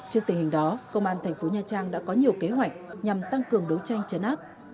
trước tình hình đó công an tp nhcm đã có nhiều kế hoạch nhằm tăng cường đấu tranh chấn áp